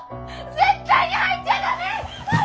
絶対に入っちゃダメッ！